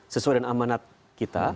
sesuai dengan amanat kita